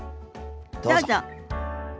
どうぞ。